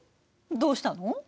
どうしたの？